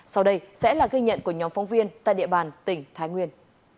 sau đây sẽ là ghi nhận của nhóm phóng viên tại địa bàn tỉnh thái nguyên